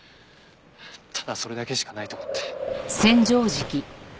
ただそれだけしかないと思って。